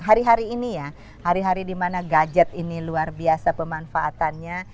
hari hari ini ya hari hari di mana gadget ini luar biasa pemanfaatannya